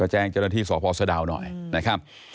จริงที่สอบภอสดาวน์หน่อยนะครับ